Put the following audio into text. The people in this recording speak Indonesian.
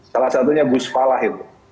salah satunya gus falah itu